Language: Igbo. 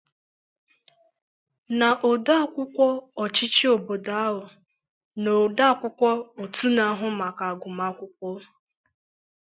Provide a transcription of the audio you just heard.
na odeakwụkwụ ọchịchị obodo ahụ na odeakwụkwọ òtù na-ahụ maka agụmakwụkwọ